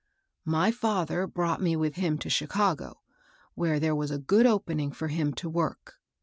" My father brought me with him to Chicago, where there was a good opening for him to work.